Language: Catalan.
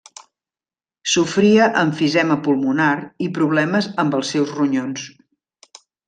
Sofria emfisema pulmonar i problemes amb els seus ronyons.